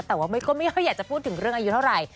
แต่ว่าก็ไม่ค่อยอยากจะพูดถึงเรื่องอายุเท่าไหร่